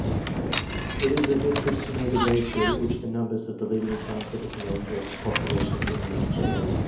It is of interest to know the ratio which the numbers of the leading scientific men bear to the population of England generally.